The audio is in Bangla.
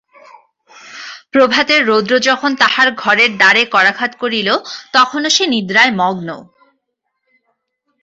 প্রভাতের রৌদ্র যখন তাহার ঘরের দ্বারে করাঘাত করিল তখনো সে নিদ্রায় মগ্ন।